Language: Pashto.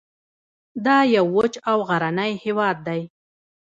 دا یو وچ او غرنی هیواد دی